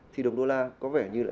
thì đồng đô la có vẻ như là